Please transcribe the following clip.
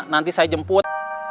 nanti saya jemput